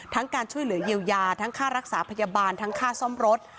การช่วยเหลือเยียวยาทั้งค่ารักษาพยาบาลทั้งค่าซ่อมรถ